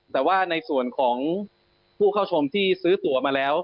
แต่ว่าในส่วนของผู้เข้าชมที่ซื้อตัวมาแล้ว